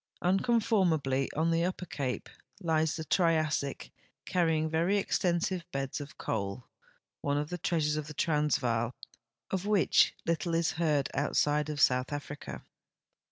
Unconformably on the Upper Cape lies the Triassic, carrying very extensive beds of coal, one of the treasures of the Transvaal of which little is heard outside of South Africa.